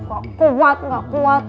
enggak kuat enggak kuat